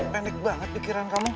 pendek banget pikiran kamu